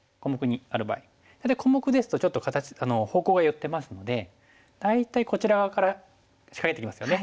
小目ですとちょっと方向が寄ってますので大体こちらから近寄ってきますよね。